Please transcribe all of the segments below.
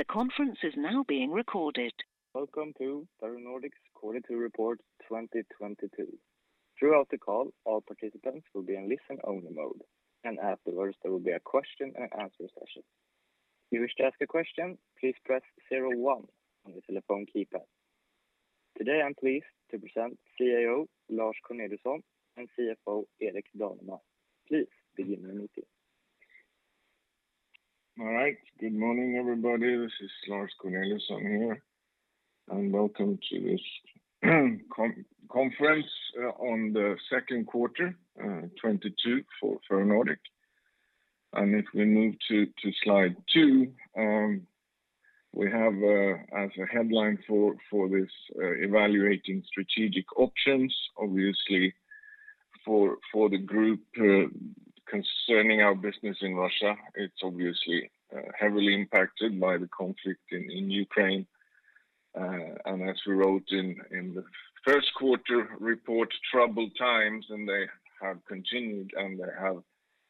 The conference is now being recorded. Welcome to Ferronordic's quarterly report 2022. Throughout the call, all participants will be in listen-only mode, and afterwards there will be a question and answer session. If you wish to ask a question, please press zero one on your telephone keypad. Today I'm pleased to present CEO Lars Corneliusson and CFO Erik Danemar. Please begin your meeting. All right. Good morning, everybody. This is Lars Corneliusson here, and welcome to this conference on the second quarter 2022 for Ferronordic. If we move to slide two, we have as a headline for this evaluating strategic options, obviously for the group concerning our business in Russia. It's obviously heavily impacted by the conflict in Ukraine. As we wrote in the first quarter report, troubled times, and they have continued, and they have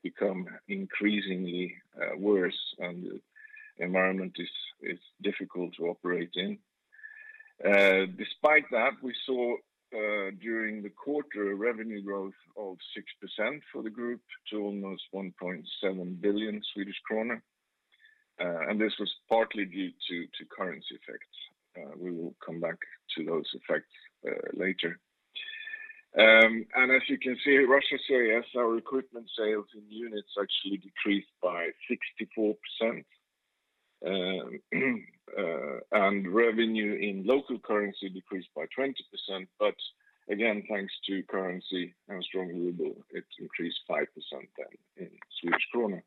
become increasingly worse, and the environment is difficult to operate in. Despite that, we saw during the quarter revenue growth of 6% for the group to almost 1.7 billion Swedish kronor, and this was partly due to currency effects. We will come back to those effects later. As you can see, Russia/CIS, our equipment sales in units actually decreased by 64%. Revenue in local currency decreased by 20%, but again, thanks to currency and strong ruble, it increased 5% then in Swedish krona.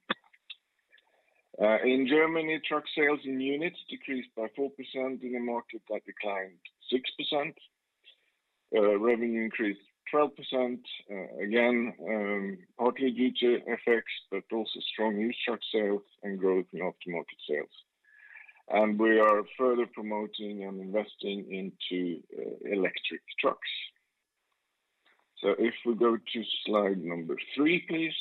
In Germany, truck sales in units decreased by 4% in a market that declined 6%. Revenue increased 12%, again, partly due to FX, but also strong used truck sales and growth in aftermarket sales. We are further promoting and investing into electric trucks. If we go to slide three, please.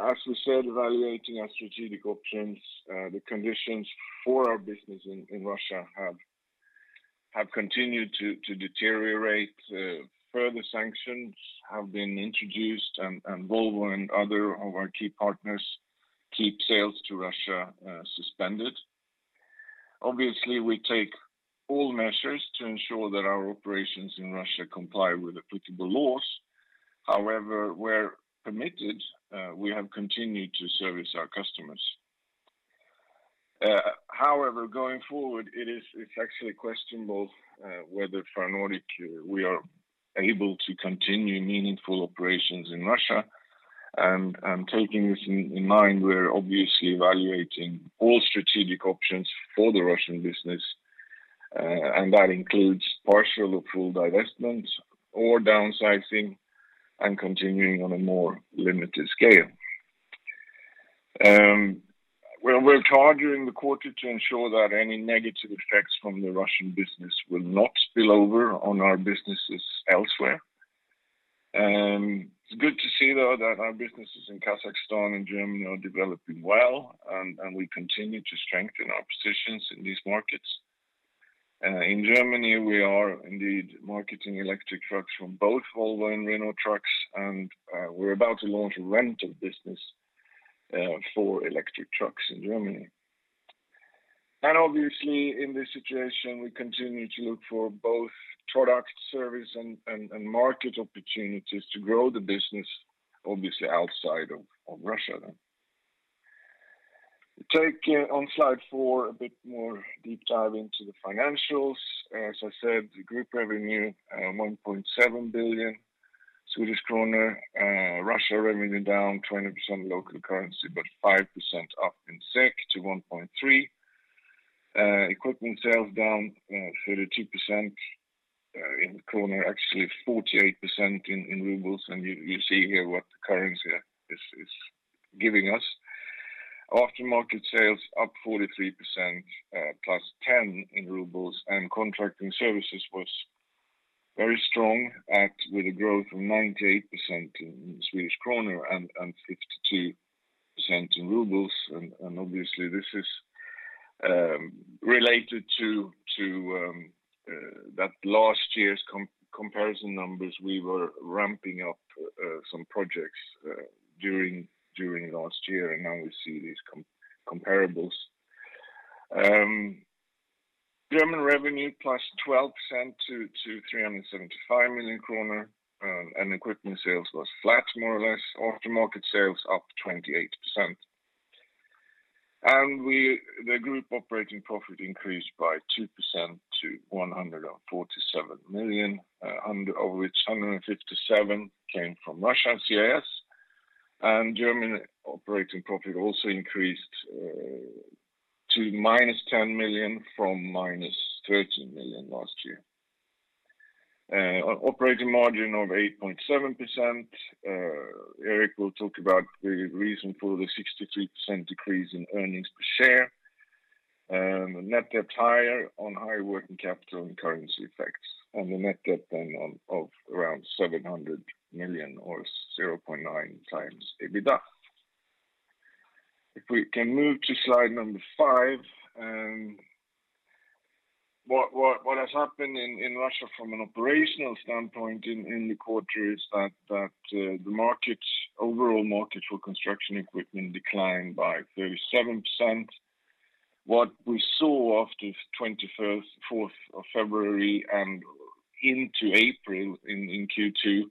As we said, evaluating our strategic options, the conditions for our business in Russia have continued to deteriorate. Further sanctions have been introduced and Volvo and other of our key partners keep sales to Russia suspended. Obviously, we take all measures to ensure that our operations in Russia comply with applicable laws. However, where permitted, we have continued to service our customers. However, going forward, it's actually questionable whether Ferronordic, we are able to continue meaningful operations in Russia, and taking this in mind, we're obviously evaluating all strategic options for the Russian business, and that includes partial or full divestment or downsizing and continuing on a more limited scale. Well, we're targeting the quarter to ensure that any negative effects from the Russian business will not spill over on our businesses elsewhere. It's good to see, though, that our businesses in Kazakhstan and Germany are developing well, and we continue to strengthen our positions in these markets. In Germany, we are indeed marketing electric trucks from both Volvo and Renault Trucks, and we're about to launch a rental business for electric trucks in Germany. Obviously, in this situation, we continue to look for both product, service and market opportunities to grow the business, obviously outside of Russia. Take on slide four a bit more deep dive into the financials. As I said, the group revenue 1.7 billion Swedish kronor. Russia revenue down 20% local currency, but 5% up in SEK to 1.3 billion. Equipment sales down 32% in SEK, actually 48% in rubles, and you see here what the currency is giving us. Aftermarket sales up 43%, plus 10 in rubles, and contracting services was very strong, with a growth of 98% in Swedish krona and 52% in rubles. Obviously, this is related to that last year's comparison numbers. We were ramping up some projects during last year, and now we see these comparables. German revenue plus 12% to 375 million kronor, and equipment sales was flat more or less. Aftermarket sales up 28%. The group operating profit increased by 2% to 147 million, of which 157 million came from Russia and CIS. German operating profit also increased to -10 million from -30 million last year. Operating margin of 8.7%. Erik will talk about the reason for the 63% decrease in earnings per share. Net debt higher on high working capital and currency effects. The net debt then on, of around 700 million or 0.9 times EBITDA. If we can move to slide number five. What has happened in Russia from an operational standpoint in the quarter is that the market, overall market for construction equipment declined by 37%. What we saw after 24th of February and into April in Q2,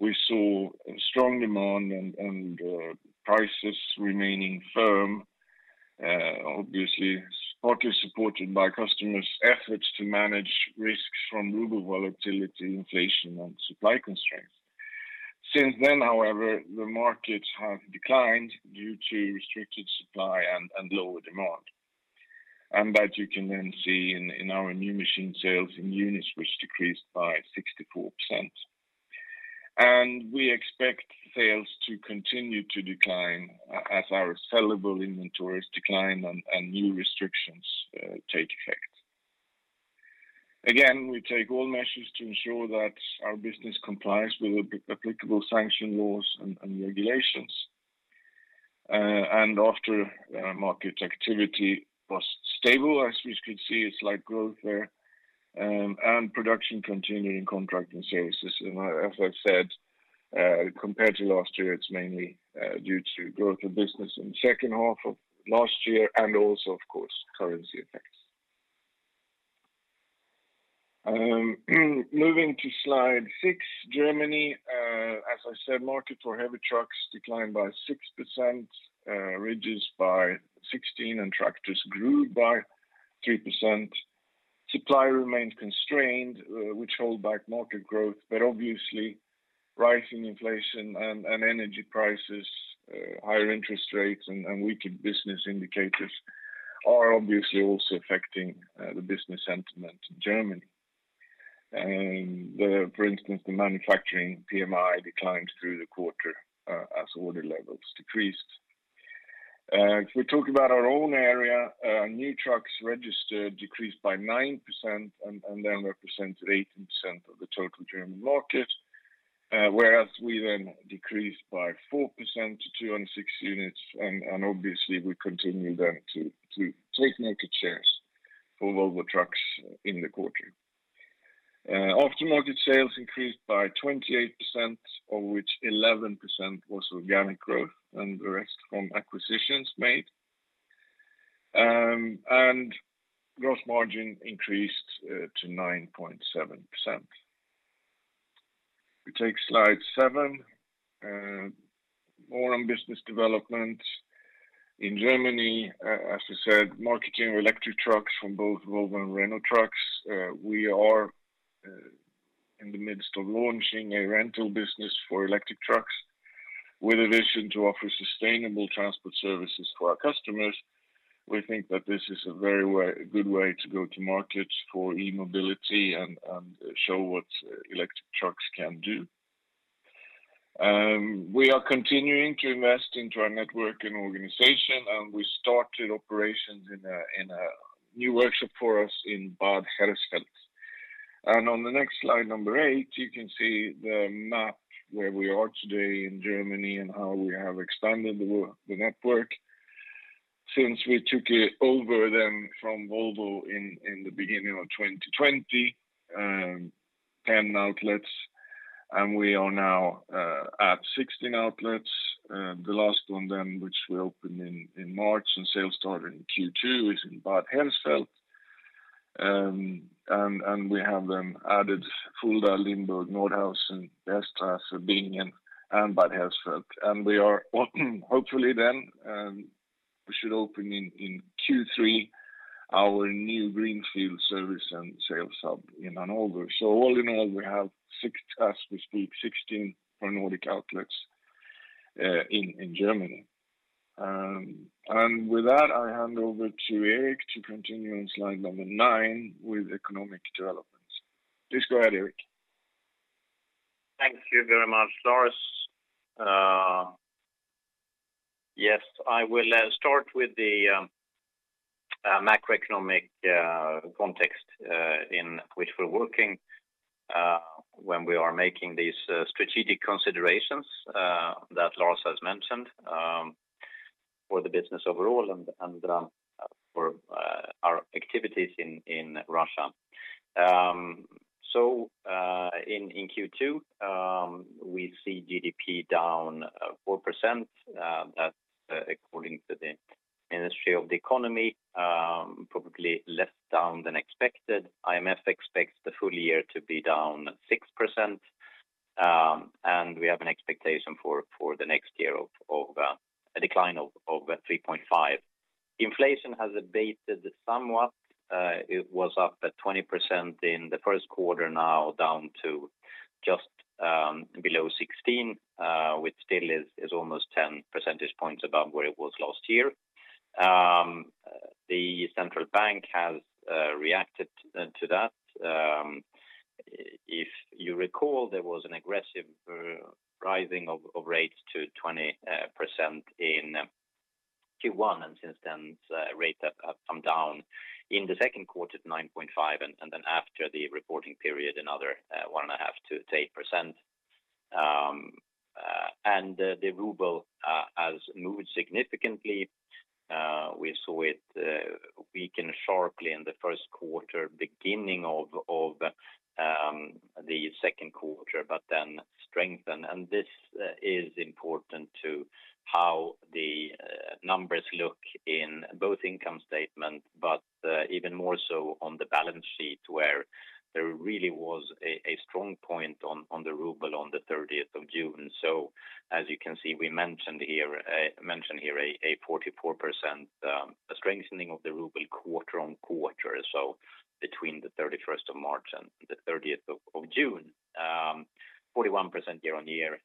we saw a strong demand and prices remaining firm, obviously, partly supported by customers' efforts to manage risks from ruble volatility, inflation, and supply constraints. Since then, however, the market has declined due to restricted supply and lower demand. That you can then see in our new machine sales in units, which decreased by 64%. We expect sales to continue to decline as our sellable inventories decline and new restrictions take effect. Again, we take all measures to ensure that our business complies with the applicable sanction laws and regulations. Aftermarket activity was stable, as we could see, it's slight growth there, and production continuing contracting services. As I've said, compared to last year, it's mainly due to growth of business in the second half of last year and also, of course, currency effects. Moving to slide six, Germany, as I said, market for heavy trucks declined by 6%, reduced by 16%, and tractors grew by 3%. Supply remained constrained, which held back market growth. Obviously, rising inflation and energy prices, higher interest rates, and weakened business indicators are obviously also affecting the business sentiment in Germany. For instance, the manufacturing PMI declined through the quarter as order levels decreased. If we talk about our own area, new trucks registered decreased by 9% and then represented 18% of the total German market. Whereas we then decreased by 4% to 206 units, and obviously we continue then to take market shares for Volvo Trucks in the quarter. Aftermarket sales increased by 28%, of which 11% was organic growth and the rest from acquisitions made. And gross margin increased to 9.7%. We take slide seven, more on business development. In Germany, as I said, marketing electric trucks from both Volvo and Renault Trucks, we are in the midst of launching a rental business for electric trucks with a vision to offer sustainable transport services to our customers. We think that this is a good way to go to market for e-mobility and show what electric trucks can do. We are continuing to invest into our network and organization, and we started operations in a new workshop for us in Bad Hersfeld. On the next slide, number eight, you can see the map where we are today in Germany and how we have expanded the network. Since we took it over then from Volvo in the beginning of 2020, 10 outlets, and we are now at 16 outlets. The last one then which we opened in March, and sales started in Q2, is in Bad Hersfeld. We have then added Fulda, Limburg, Nordhausen, Wetzlar, Saarbrücken, and Bad Hersfeld. We are hopefully then we should open in Q3 our new greenfield service and sales hub in Hanover. All in all, we have six, as we speak, 16 Nordic outlets in Germany. With that, I hand over to Erik to continue on slide number nine with economic developments. Please go ahead, Erik. Thank you very much, Lars. Yes. I will start with the macroeconomic context in which we're working when we are making these strategic considerations that Lars has mentioned for the business overall and for our activities in Russia. In Q2, we see GDP down 4%, that's according to the Ministry of the Economy, probably less down than expected. IMF expects the full year to be down 6%. We have an expectation for the next year of a decline of 3.5%. Inflation has abated somewhat. It was up at 20% in the first quarter, now down to just below 16%, which still is almost 10% points above where it was last year. The Central Bank has reacted to that. You recall there was an aggressive rising of rates to 20% in Q1, and since then the rates have come down. In the second quarter to 9.5%, and then after the reporting period, another 1.5%-8%. The ruble has moved significantly. We saw it weaken sharply in the first quarter, beginning of the second quarter, but then strengthen. This is important to how the numbers look in both income statement, but even more so on the balance sheet, where there really was a strong point on the ruble on the thirtieth of June. As you can see, we mentioned here a 44% strengthening of the ruble quarter-over-quarter, so between the thirty-first of March and the thirtieth of June. 41% year-over-year.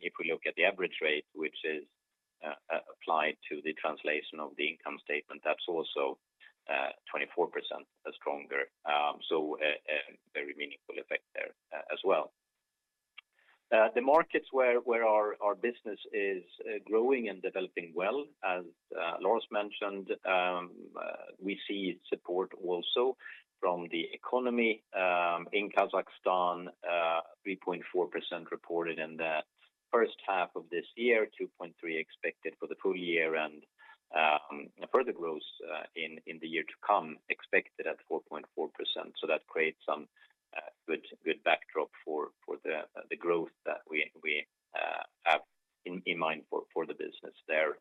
If we look at the average rate, which is applied to the translation of the income statement, that's also 24% stronger. A very meaningful effect there as well. The markets where our business is growing and developing well, as Lars mentioned, we see support also from the economy in Kazakhstan, 3.4% reported in the first half of this year, 2.3% expected for the full year and a further growth in the year to come expected at 4.4%. That creates some good backdrop for the growth that we have in mind for the business there.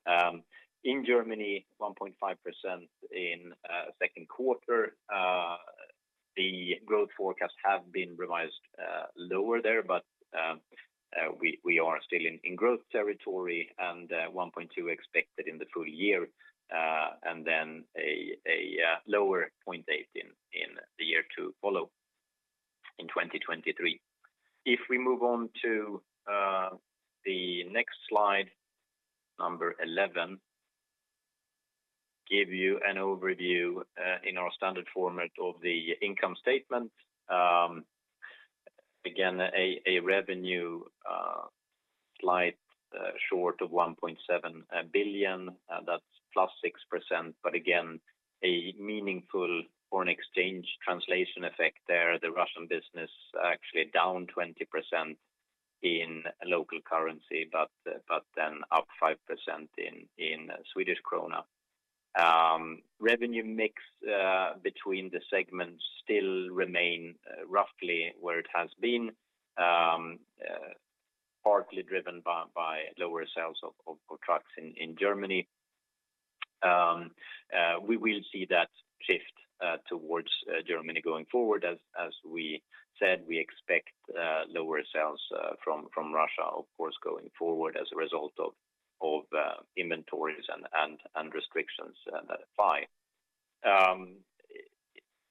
In Germany, 1.5% in second quarter. The growth forecasts have been revised lower there, but we are still in growth territory and 1.2% expected in the full year, and then a lower 0.8% in the year to follow in 2023. If we move on to the next slide, number 11, give you an overview in our standard format of the income statement. Again, a revenue slightly short of 1.7 billion, that's +6%, but again, a meaningful foreign exchange translation effect there. The Russian business actually down 20% in local currency, but then up 5% in Swedish krona. Revenue mix between the segments still remain roughly where it has been, partly driven by lower sales of trucks in Germany. We will see that shift towards Germany going forward. As we said, we expect lower sales from Russia, of course, going forward as a result of inventories and restrictions that apply.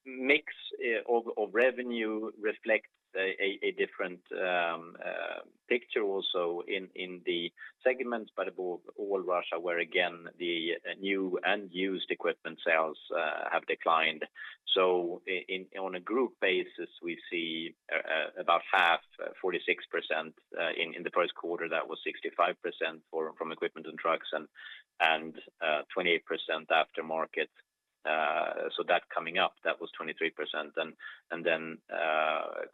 Mix of revenue reflects a different picture also in the segments, but above all Russia, where again the new and used equipment sales have declined. On a group basis, we see about half, 46% in the first quarter that was 65% from equipment and trucks and 28% aftermarket. So that coming up, that was 23%. Then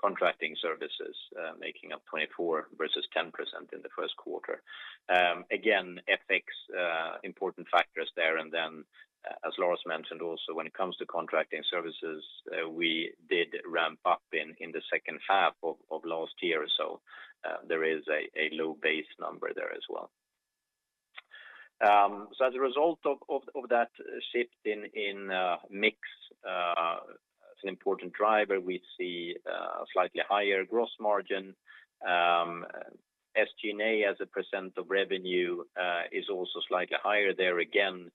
contracting services making up 24% versus 10% in the first quarter. Again, FX important factors there. Then as Lars mentioned also, when it comes to contracting services, we did ramp up in the second half of last year. There is a low base number there as well. As a result of that shift in mix as an important driver, we see slightly higher gross margin. SG&A as a % of revenue is also slightly higher there. Again,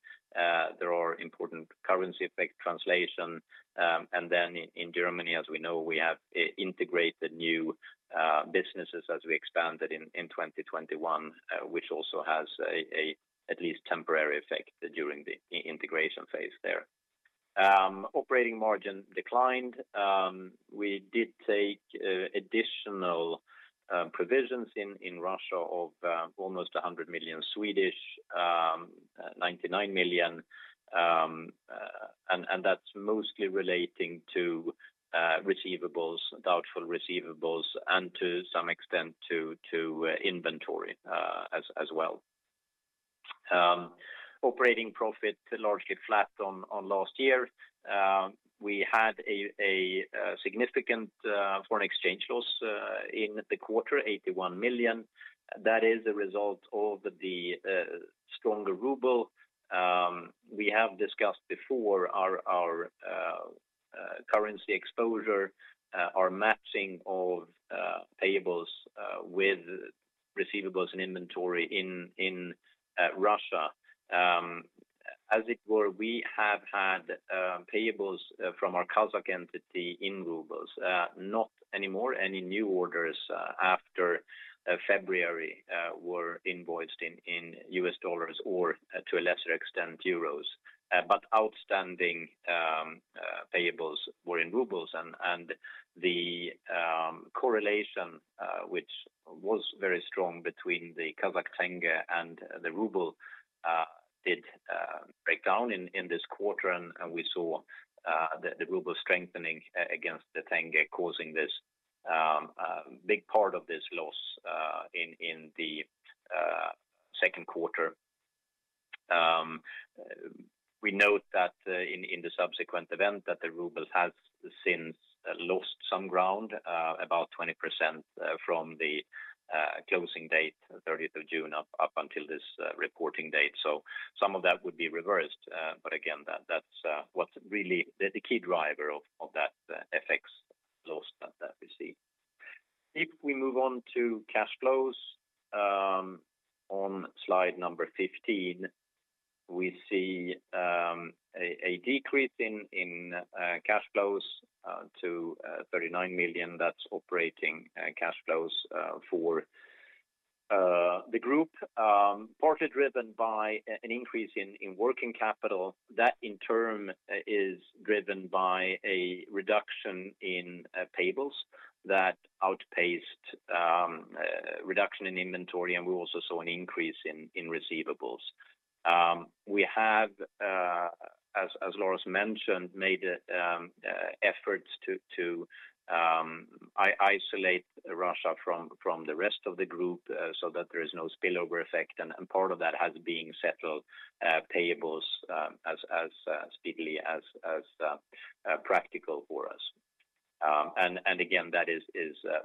there are important currency effect translation. In Germany, as we know, we have integrated new businesses as we expanded in 2021, which also has a at least temporary effect during the integration phase there. Operating margin declined. We did take additional provisions in Russia of almost 100 million, 99 million. And that's mostly relating to receivables, doubtful receivables and to some extent to inventory as well. Operating profit largely flat on last year. We had a significant foreign exchange loss in the quarter, 81 million. That is a result of the stronger ruble. We have discussed before our currency exposure, our matching of payables with receivables and inventory in Russia. As it were, we have had payables from our Kazakh entity in rubles. Not anymore. Any new orders after February were invoiced in US dollars or to a lesser extent euros. Outstanding payables were in rubles and the correlation which was very strong between the Kazakh tenge and the ruble did break down in this quarter. We saw the ruble strengthening against the tenge causing this big part of this loss in the second quarter. We note that in the subsequent event that the ruble has since lost some ground about 20% from the closing date, 30th of June up until this reporting date. Some of that would be reversed. Again, that's what's really the key driver of that FX loss that we see. If we move on to cash flows on slide number 15, we see a decrease in cash flows to 39 million. That's operating cash flows for the group partly driven by an increase in working capital. That in turn is driven by a reduction in payables that outpaced reduction in inventory, and we also saw an increase in receivables. We have, as Lars mentioned, made efforts to isolate Russia from the rest of the group, so that there is no spillover effect. Part of that has been settling payables as speedily as practical for us. Again, that is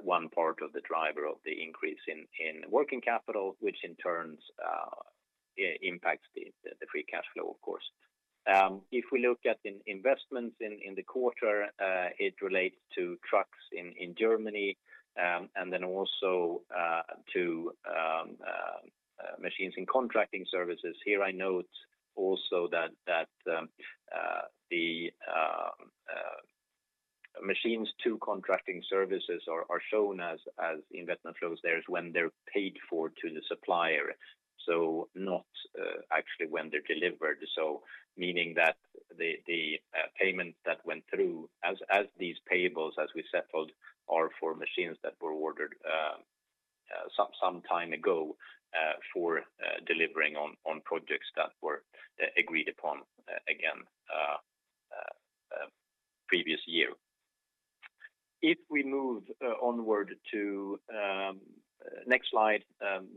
one part of the driver of the increase in working capital, which in turn impacts the free cash flow, of course. If we look at investments in the quarter, it relates to trucks in Germany, and then also to machines and contracting services. Here I note also that the machines to contracting services are shown as investment flows when they're paid for to the supplier. So not actually when they're delivered. So meaning that the payment that went through as these payables, as we settled, are for machines that were ordered some time ago for delivering on projects that were agreed upon again previous year. If we move onward to next slide,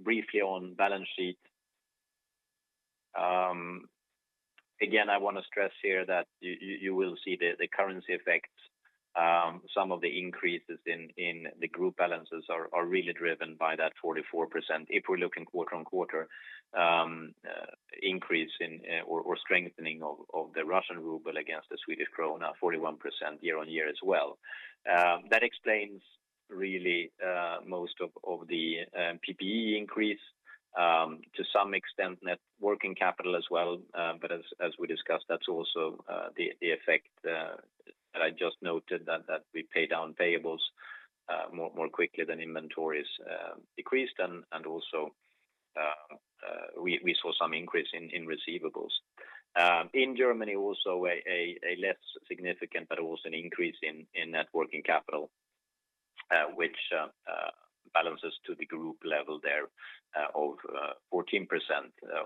briefly on balance sheet. Again, I want to stress here that you will see the currency effects. Some of the increases in the group balances are really driven by that 44%. If we look quarter-on-quarter, strengthening of the Russian ruble against the Swedish krona 41% year-on-year as well. That explains really most of the PPE increase to some extent net working capital as well. But as we discussed, that's also the effect that I just noted that we pay down payables more quickly than inventories decreased. Also we saw some increase in receivables. In Germany also a less significant but also an increase in net working capital, which balances to the group level there of 14%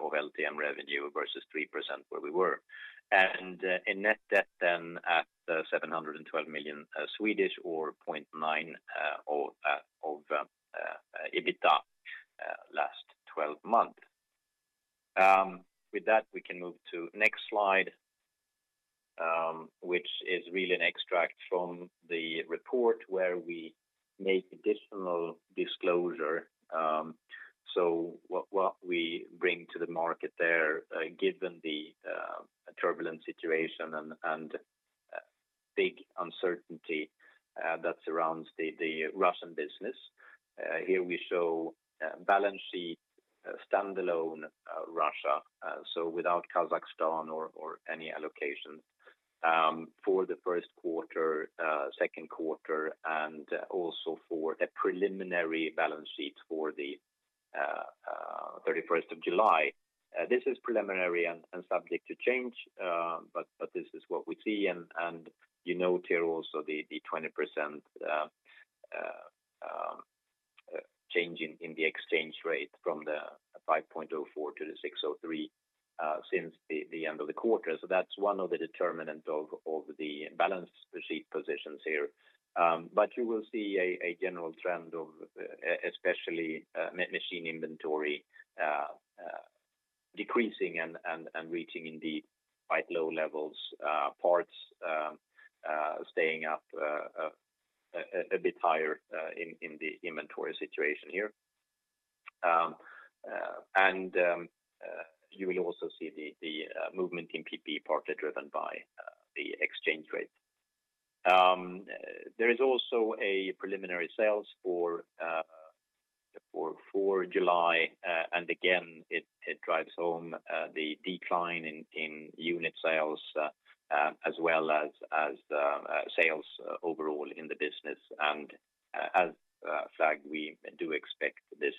of LTM revenue versus 3% where we were. In net debt then at 712 million or 0.9x LTM EBITDA. With that, we can move to next slide, which is really an extract from the report where we make additional disclosure. What we bring to the market there, given the turbulent situation and big uncertainty that surrounds the Russian business. Here we show balance sheet standalone Russia so without Kazakhstan or any allocations. For the first quarter, second quarter, and also for the preliminary balance sheet for the 31st of July. This is preliminary and subject to change. This is what we see. You note here also the 20% change in the exchange rate from 5.04-6.03 since the end of the quarter. That's one of the determinants of the balance sheet positions here. You will see a general trend of especially machine inventory decreasing and reaching indeed quite low levels. Parts staying up a bit higher in the inventory situation here. You will also see the movement in PPE partly driven by the exchange rate. There is also preliminary sales for July. Again, it drives home the decline in unit sales as well as sales overall in the business and, as flagged, we do expect this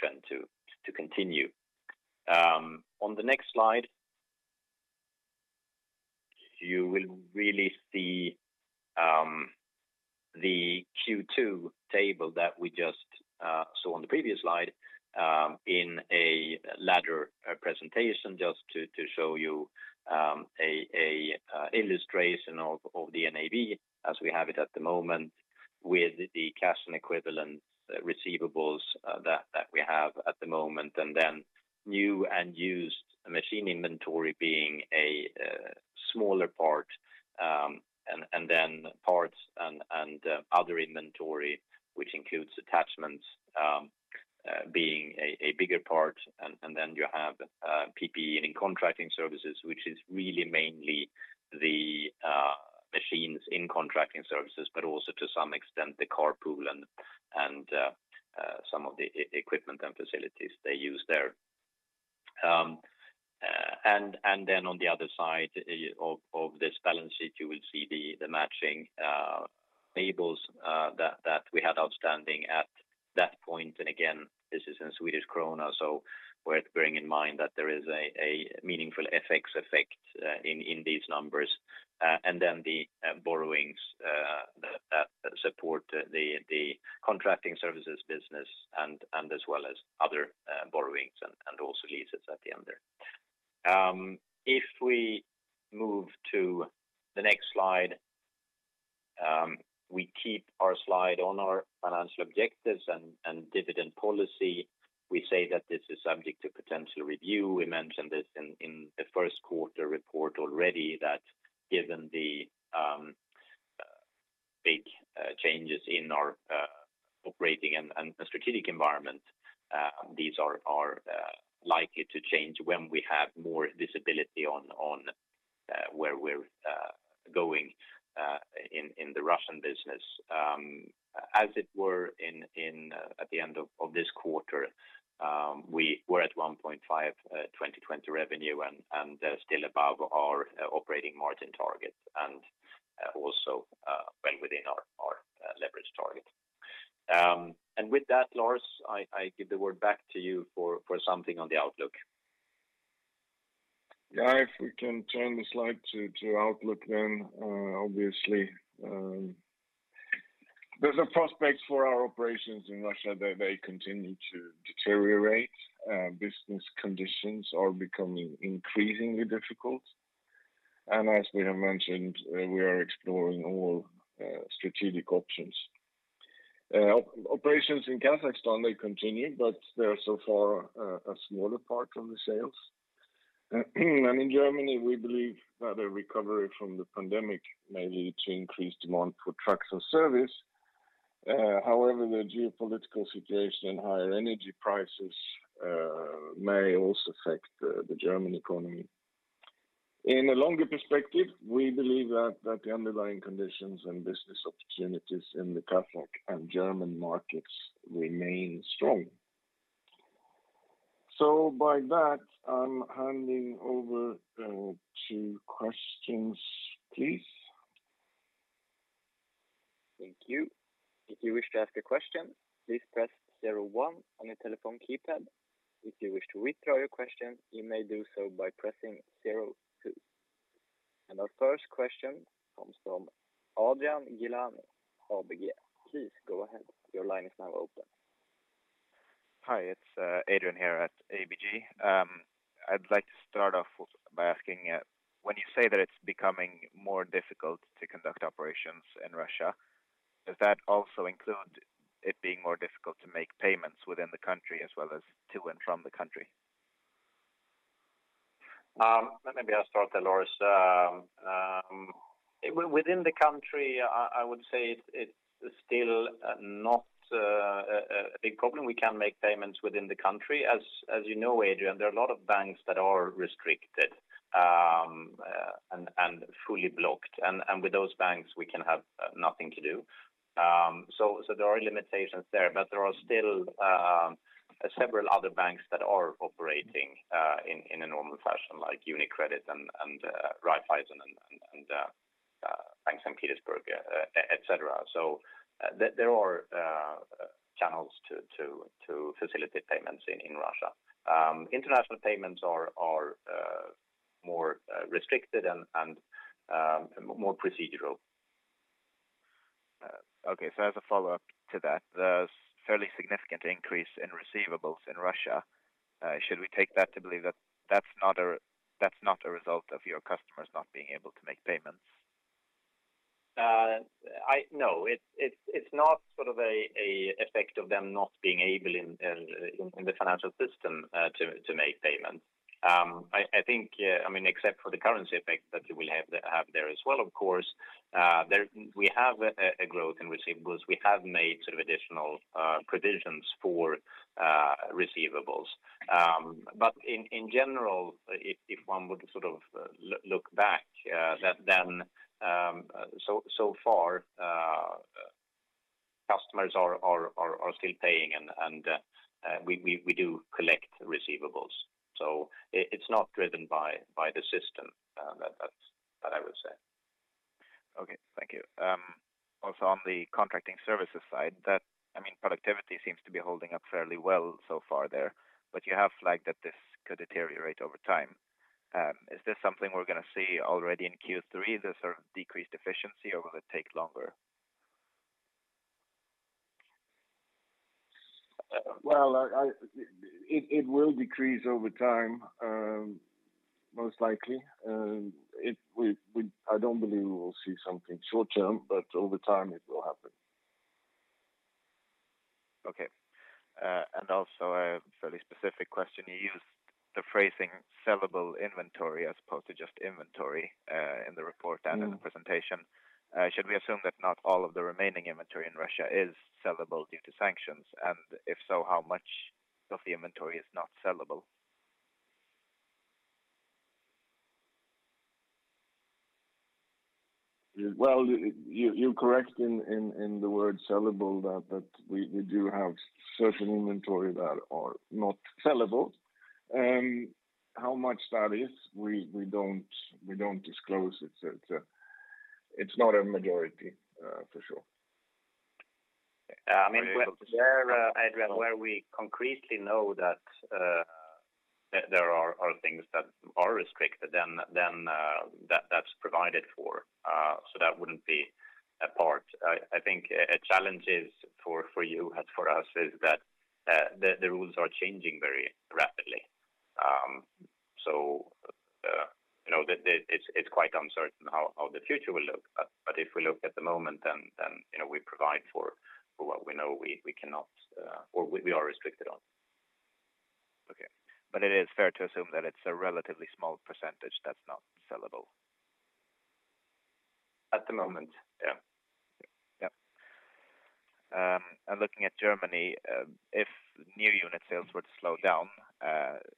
trend to continue. On the next slide, you will really see the Q2 table that we just saw on the previous slide in a ladder presentation, just to show you a illustration of the NAV as we have it at the moment with the cash and equivalents, receivables that we have at the moment, and then new and used machine inventory being a smaller part, and then parts and other inventory, which includes attachments, being a bigger part. You have PPE and contracting services, which is really mainly the machines in contracting services, but also to some extent the car pool and some of the equipment and facilities they use there. On the other side of this balance sheet, you will see the matching labels that we had outstanding at that point. Again, this is in Swedish krona, so worth bearing in mind that there is a meaningful FX effect in these numbers. The borrowings that support the contracting services business and as well as other borrowings and also leases at the end there. If we move to the next slide, we keep our slide on our financial objectives and dividend policy. We say that this is subject to potential review. We mentioned this in the first quarter report already that given the big changes in our operating and strategic environment, these are likely to change when we have more visibility on where we're going in the Russian business. As it was at the end of this quarter, we were at 1.5x 2020 revenue and still above our operating margin target and also well within our leverage target. With that, Lars, I give the word back to you for something on the outlook. Yeah. If we can turn the slide to outlook then, obviously, there's a prospect for our operations in Russia that they continue to deteriorate. Business conditions are becoming increasingly difficult. As we have mentioned, we are exploring all strategic options. Operations in Kazakhstan, they continue, but they're so far a smaller part of the sales. In Germany, we believe that a recovery from the pandemic may lead to increased demand for trucks or service. However, the geopolitical situation and higher energy prices may also affect the German economy. In a longer perspective, we believe that the underlying conditions and business opportunities in the Kazakh and German markets remain strong. By that, I'm handing over to questions, please. Thank you. If you wish to ask a question, please press zero one on your telephone keypad. If you wish to withdraw your question, you may do so by pressing zero two. Our first question comes from Adrian Gilani, ABG. Please go ahead. Your line is now open. Hi, it's Adrian here at ABG. I'd like to start off by asking, when you say that it's becoming more difficult to conduct operations in Russia, does that also include it being more difficult to make payments within the country as well as to and from the country? Maybe I'll start there, Lars. Within the country, I would say it's still not a big problem. We can make payments within the country. As you know, Adrian, there are a lot of banks that are restricted and fully blocked. With those banks, we can have nothing to do. There are limitations there, but there are still several other banks that are operating in a normal fashion, like UniCredit and Raiffeisen and banks in Petersburg, et cetera. There are channels to facilitate payments in Russia. International payments are more restricted and more procedural. Okay. As a follow-up to that, there's fairly significant increase in receivables in Russia. Should we take that to believe that that's not a result of your customers not being able to make payments? No. It's not sort of a effect of them not being able in the financial system to make payments. I mean, except for the currency effect that you will have there as well, of course, there we have a growth in receivables. We have made sort of additional provisions for receivables. In general, if one would sort of look back, then so far customers are still paying and we do collect receivables. It's not driven by the system. That's what I would say. Okay. Thank you. Also on the contracting services side, I mean, productivity seems to be holding up fairly well so far there, but you have flagged that this could deteriorate over time. Is this something we're gonna see already in Q3, this sort of decreased efficiency, or will it take longer? Well, it will decrease over time, most likely. I don't believe we will see something short term, but over time it will happen. Okay. A fairly specific question. You used the phrasing sellable inventory as opposed to just inventory, in the report and in the presentation. Mm-hmm. Should we assume that not all of the remaining inventory in Russia is sellable due to sanctions? If so, how much of the inventory is not sellable? Well, you're correct in the word sellable that we do have certain inventory that are not sellable. How much that is, we don't disclose it. It's not a majority, for sure. I mean, where Adrian, where we concretely know that there are things that are restricted then, that's provided for, so that wouldn't be a part. I think a challenge is for you and for us is that the rules are changing very rapidly. So you know, it's quite uncertain how the future will look. If we look at the moment, then you know, we provide for what we know we cannot or we are restricted on. It is fair to assume that it's a relatively small percentage that's not sellable. At the moment, yeah. Yeah. Looking at Germany, if new unit sales were to slow down,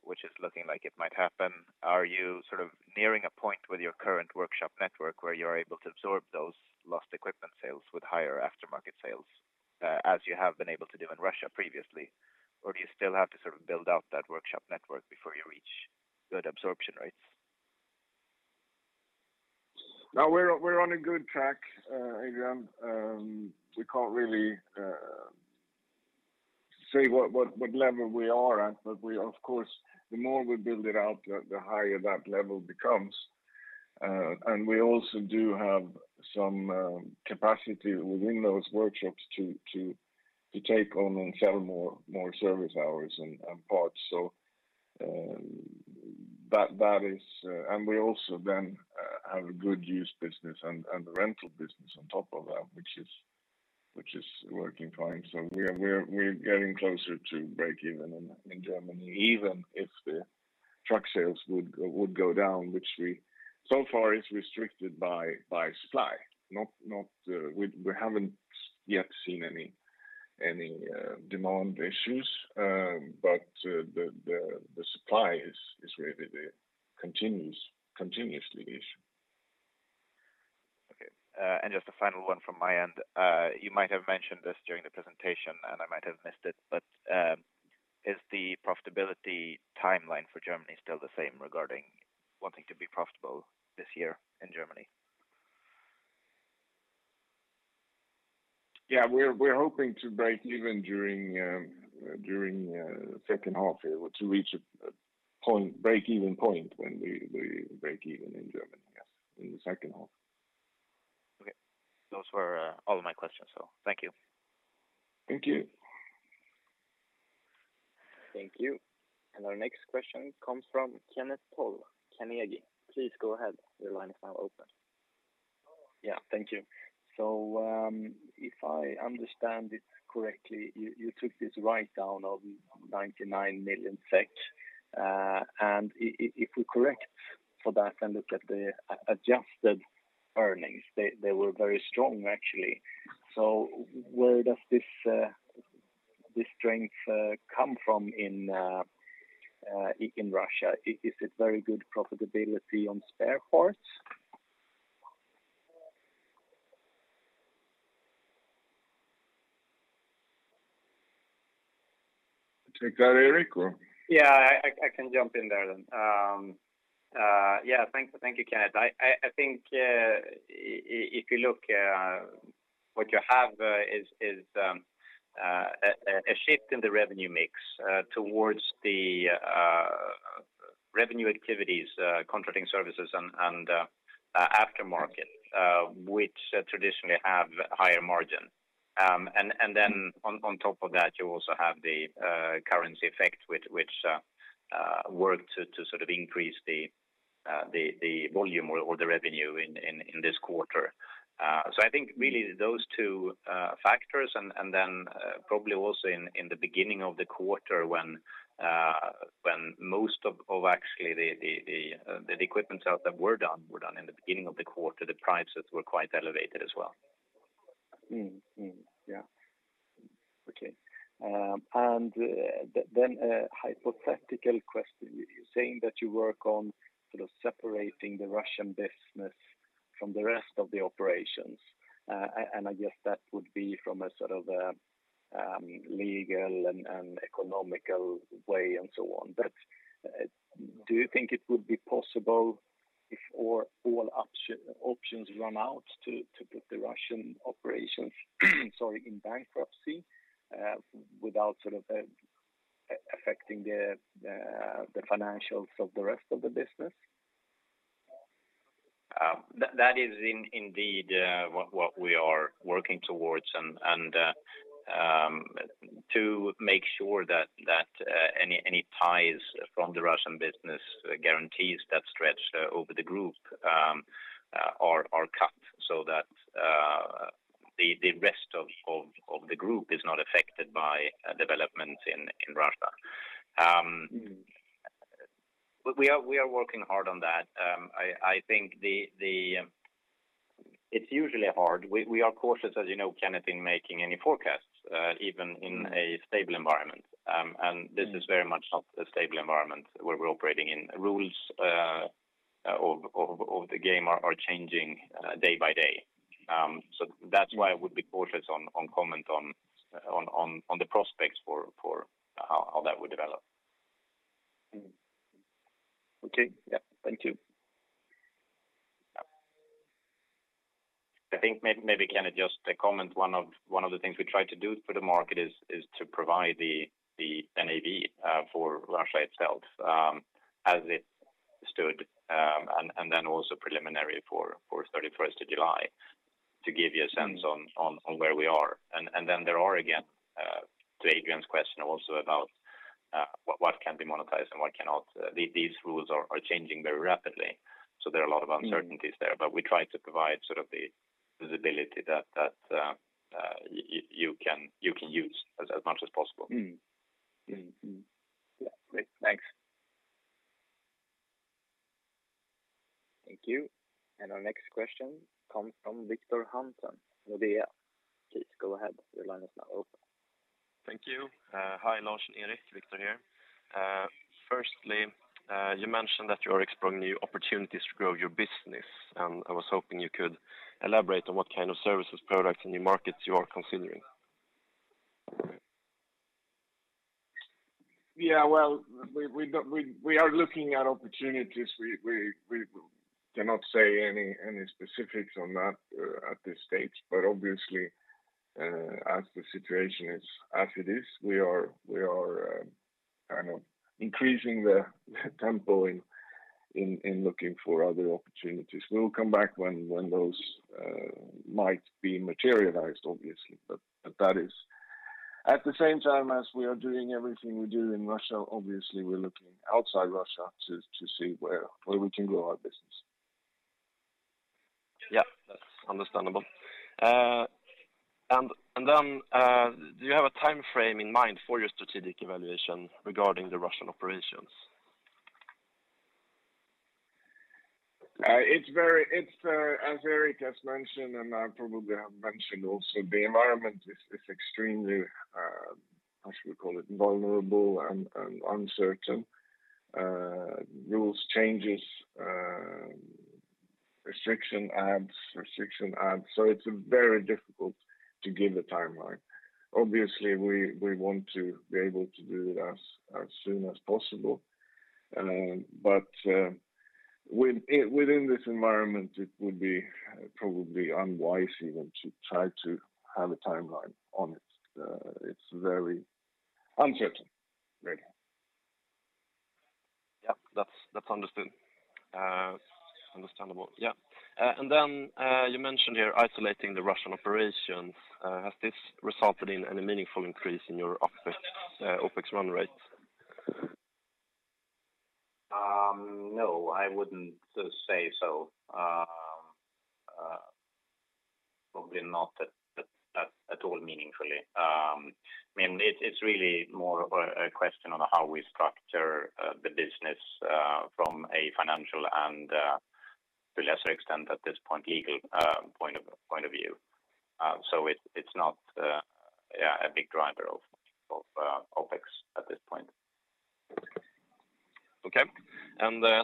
which is looking like it might happen, are you sort of nearing a point with your current workshop network where you're able to absorb those lost equipment sales with higher aftermarket sales, as you have been able to do in Russia previously? Or do you still have to sort of build out that workshop network before you reach good absorption rates? No, we're on a good track, Adrian. We can't really say what level we are at. Of course, the more we build it out, the higher that level becomes. We also do have some capacity within those workshops to take on and sell more service hours and parts. We also then have a good used business and a rental business on top of that, which is working fine. We're getting closer to breakeven in Germany, even if the truck sales would go down, which we so far is restricted by supply, not. We haven't yet seen any demand issues. The supply is really continuously the issue. Okay. Just a final one from my end. You might have mentioned this during the presentation, and I might have missed it, but is the profitability timeline for Germany still the same regarding wanting to be profitable this year in Germany? Yeah. We're hoping to break even during the second half or to reach a point, breakeven point when we break even in Germany, yes, in the second half. Okay. Those were all of my questions, so thank you. Thank you. Thank you. Our next question comes from Kenneth Toll Johansson, Carnegie. Please go ahead. Your line is now open. Thank you. If I understand it correctly, you took this write-down of 99 million. If we correct for that and look at the adjusted earnings, they were very strong actually. Where does this strength come from in Russia? Is it very good profitability on spare parts? Take that, Erik Danemar. Yeah, I can jump in there then. Yeah. Thank you. Thank you, Kenneth. I think if you look what you have is a shift in the revenue mix towards the revenue activities, contracting services and aftermarket, which traditionally have higher margin. On top of that, you also have the currency effect which worked to sort of increase the volume or the revenue in this quarter. I think really those two factors and then probably also in the beginning of the quarter when most of actually the equipment sales that were done in the beginning of the quarter, the prices were quite elevated as well. Mm. Mm-hmm. Yeah. A hypothetical question. You're saying that you work on sort of separating the Russian business from the rest of the operations. I guess that would be from a sort of legal and economic way and so on. Do you think it would be possible if all options run out to put the Russian operations, sorry, in bankruptcy without sort of affecting the financials of the rest of the business? That is indeed what we are working towards and to make sure that any ties from the Russian business guarantees that stretch over the group are cut so that the rest of the group is not affected by development in Russia. Mm-hmm. We are working hard on that. I think It's usually hard. We are cautious, as you know, Kenneth, in making any forecasts, even in Mm-hmm. a stable environment. Mm-hmm. It is very much not a stable environment where we're operating in. Rules of the game are changing day by day. That's why I would be cautious to comment on the prospects for how that would develop. Mm-hmm. Okay. Yeah. Thank you. Yeah. I think maybe, Kenneth, just to comment, one of the things we try to do for the market is to provide the NAV for Russia itself, as it stood, and then also preliminary for thirty-first of July to give you a sense. Mm-hmm. On where we are. There are, again, to Adrian's question also about what can be monetized and what cannot. These rules are changing very rapidly, so there are a lot of uncertainties there. Mm-hmm. We try to provide sort of the visibility that you can use as much as possible. Mm-hmm. Mm-hmm. Yeah. Great. Thanks. Thank you. Our next question comes from Victor Hanson of Hoover. Please go ahead. Your line is now open. Thank you. Hi Lars and Erik. Victor here. Firstly, you mentioned that you are exploring new opportunities to grow your business, and I was hoping you could elaborate on what kind of services, products, and new markets you are considering. Yeah, well, we are looking at opportunities. We cannot say any specifics on that at this stage. Obviously, as the situation is as it is, we are kind of increasing the tempo in looking for other opportunities. We'll come back when those might be materialized obviously. At the same time, as we are doing everything we do in Russia, obviously we're looking outside Russia to see where we can grow our business. Yeah, that's understandable. Do you have a timeframe in mind for your strategic evaluation regarding the Russian operations? It's, as Erik has mentioned, and I probably have mentioned also, the environment is extremely, how should we call it? Vulnerable and uncertain. Rule changes, restrictions added, so it's very difficult to give a timeline. Obviously, we want to be able to do it as soon as possible. Within this environment, it would be probably unwise even to try to have a timeline on it. It's very uncertain, really. Yeah. That's understood. Understandable. Yeah. You mentioned you're isolating the Russian operations. Has this resulted in any meaningful increase in your OpEx run rate? No, I wouldn't say so. Probably not at all meaningfully. I mean, it's really more of a question on how we structure the business from a financial and, to a lesser extent at this point, legal point of view. It's not a big driver of OpEx at this point.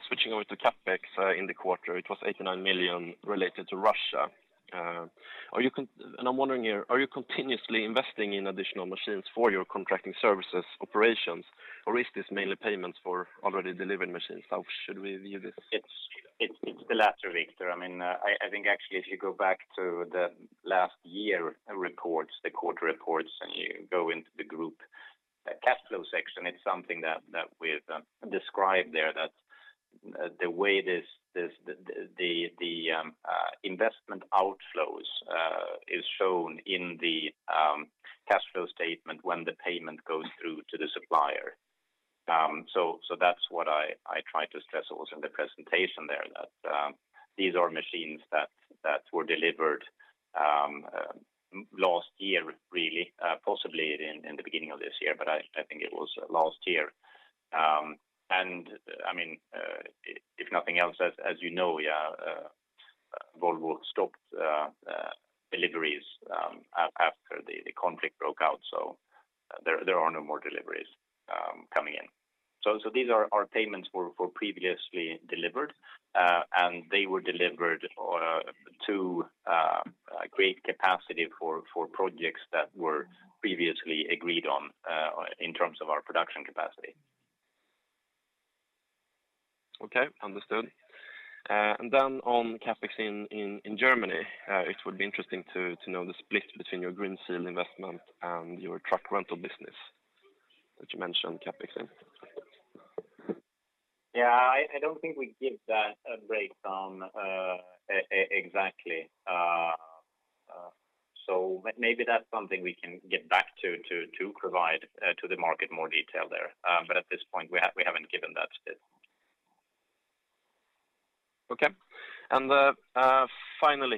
Switching over to CapEx, in the quarter, it was 89 million related to Russia. I'm wondering here, are you continuously investing in additional machines for your contracting services operations, or is this mainly payments for already delivered machines? How should we view this? It's the latter, Victor. I mean, I think actually if you go back to the last year reports, the quarter reports, and you go into the group cash flow section, it's something that we've described there that the way the investment outflows is shown in the cash flow statement when the payment goes through to the supplier. That's what I try to stress also in the presentation there that these are machines that were delivered last year really, possibly in the beginning of this year, but I think it was last year. I mean, if nothing else, as you know, yeah, Volvo stopped deliveries after the conflict broke out, so there are no more deliveries coming in. These are our payments for previously delivered, and they were delivered or to create capacity for projects that were previously agreed on in terms of our production capacity. Okay. Understood. On CapEx in Germany, it would be interesting to know the split between your greenfield investment and your truck rental business that you mentioned CapEx in. Yeah. I don't think we give that a breakdown, exactly. Maybe that's something we can get back to provide to the market more detail there. At this point we haven't given that yet. Okay. Finally,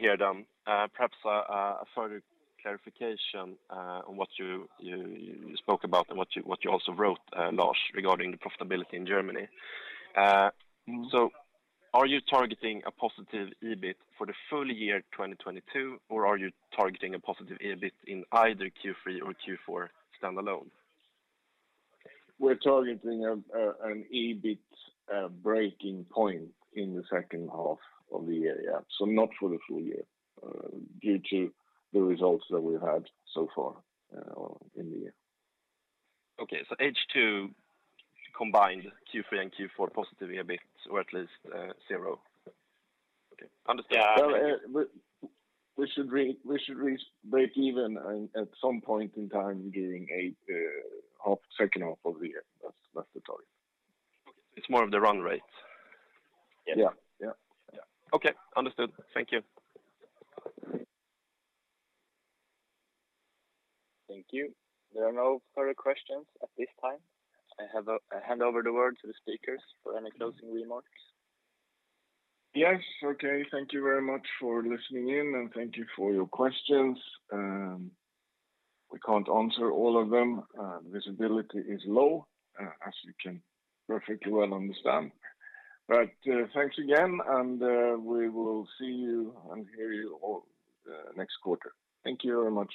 perhaps a further clarification on what you spoke about and what you also wrote, Lars, regarding the profitability in Germany. Mm-hmm. Are you targeting a positive EBIT for the full year 2022, or are you targeting a positive EBIT in either Q3 or Q4 standalone? We're targeting an EBIT breakeven point in the second half of the year. Yeah. Not for the full year, due to the results that we've had so far in the year. Okay. H2 combined Q3 and Q4 positive EBITs, or at least, zero. Okay. Understood. Yeah. Well, we should break even at some point in time during the second half of the year. That's the target. Okay. It's more of the run rate. Yeah. Yeah. Okay. Understood. Thank you. Thank you. There are no further questions at this time. I hand over the word to the speakers for any closing remarks. Yes. Okay. Thank you very much for listening in, and thank you for your questions. We can't answer all of them. Visibility is low, as you can perfectly well understand. Thanks again, and we will see you and hear you all, next quarter. Thank you very much.